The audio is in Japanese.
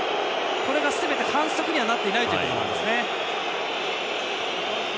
これがすべて反則になっていないということです。